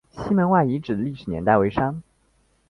西门外遗址的历史年代为商。